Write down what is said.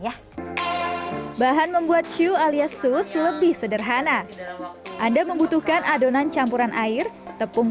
ya bahan membuat shu alias sus lebih sederhana anda membutuhkan adonan campuran air tepung